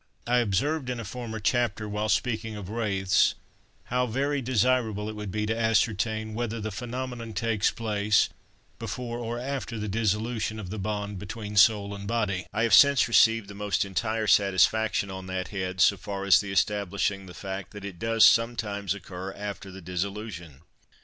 I observed in a former chapter, while speaking of wraiths, now very desirable it would be to ascertain whether the phenomenon takes place before or after the dissolution of the bond between soul and body: I have since received the most entire satisfaction on that head, so far as the establishing the fact that it does sometimes occur after the dissolution.